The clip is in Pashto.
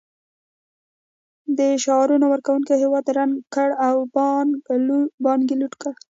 د شعارونو ورکونکو هېواد ړنګ کړ او پانګه یې لوټ کړه